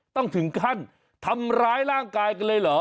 ต้องถึงขั้นทำร้ายร่างกายกันเลยเหรอ